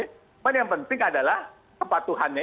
cuman yang penting adalah kepatuhannya